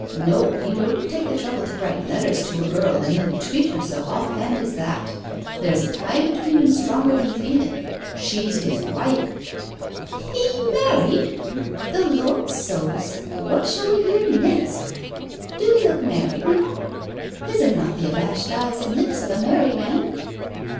No, he wouldn't take the trouble to write letters to a girl and then treat her so off hand as that. There's a tie between 'em stronger than feelen. She's his wife.' 'He married! The Lord so 's, what shall we hear next? Do he look married now? His are not the abashed eyes and lips of a married man.